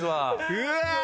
うわ！